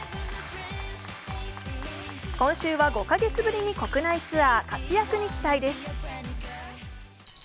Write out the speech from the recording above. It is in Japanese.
今週は５か月ぶりに国内ツアー活躍に期待です。